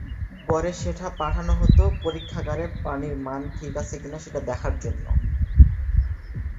পরে সেটা পাঠানো হতো পরীক্ষাগারে পানির মান ঠিক আছে কিনা সেটা দেখার জন্য।